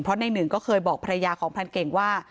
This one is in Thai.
เพราะในหนึ่งก็เคยบอกภรรยาของพรานเก่งว่า